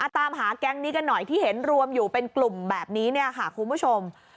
ตามหาแก๊งนี้กันหน่อยที่เห็นรวมอยู่เป็นกลุ่มแบบนี้เนี่ยค่ะคุณผู้ชม